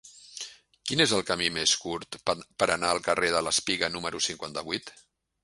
Quin és el camí més curt per anar al carrer de l'Espiga número cinquanta-vuit?